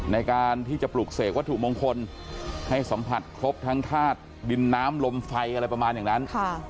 ในการที่จะปลุกเสกวัตถุมงคลให้สัมผัสครบทั้งธาตุดินน้ำลมไฟอะไรประมาณอย่างนั้น